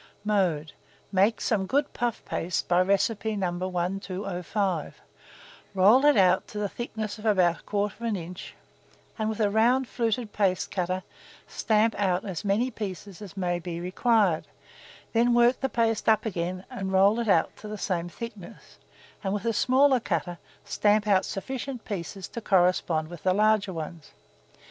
Mode. Make some good puff paste by recipe No. 1205; roll it out to the thickness of about 1/4 inch, and, with a round fluted paste cutter, stamp out as many pieces as may be required; then work the paste up again, and roll it out to the same thickness, and with a smaller cutter, stamp out sufficient pieces to correspond with the larger ones.